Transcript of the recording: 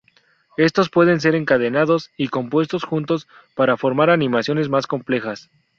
Estos pueden ser encadenados y compuestos juntos para formar animaciones más complejas.